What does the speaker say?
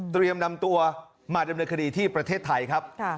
เตรียมนำตัวมาดำเนื้อคดีที่ประเทศไทยครับ